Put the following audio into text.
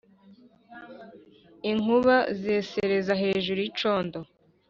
inkuba zesereza hejuru y'icondo,